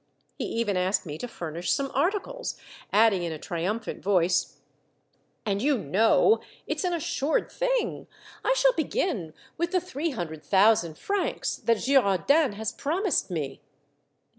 He even asked me to furnish some articles, adding in a tri umphant voice, —" And you know, it 's an assured thing ; I shall begin with the three hundred thousand francs that Girardin has promised me